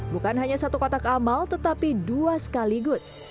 bukan hanya satu kotak amal tetapi dua sekaligus